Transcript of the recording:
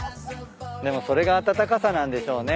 でもそれが温かさなんでしょうね。